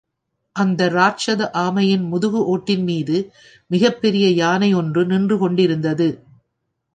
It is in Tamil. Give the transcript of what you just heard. அந்த ராட்சத ஆமையின் முதுகு ஓட்டின் மீது மிகப் பெரிய யானை ஒன்று நின்று கொண்டிருந்தது.